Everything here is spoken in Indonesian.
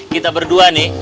kita berdua nih